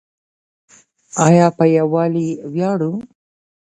آیا په یوالي ویاړو؟